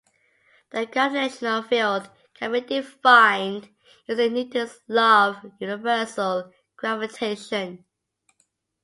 A gravitational field can be defined using Newton's law of universal gravitation.